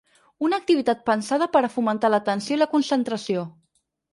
Una activitat pensada per a fomentar l’atenció i la concentració.